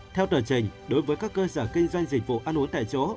theo tờ trình đối với các cơ sở kinh doanh dịch vụ ăn uống tại chỗ